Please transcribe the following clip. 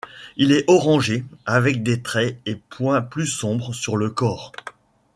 Il est orangé, avec des traits et points plus sombres sur le corps.